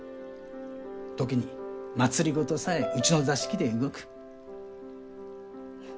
時に政さえうちの座敷で動く。